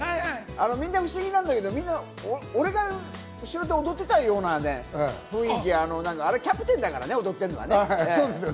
みんな不思議なんだけど、俺が後ろで踊っていたよね？とか、あれキャプテンだからね、踊ってるのは。